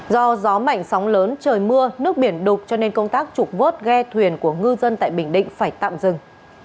do gió mạnh sóng lớn trời mưa nước biển đục cho nên công tác trục vớt ghe thuyền của ngư dân tại bình định phải tạm dừng